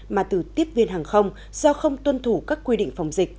mà từ tiếp viên hàng không do không tuân thủ các quy định phòng dịch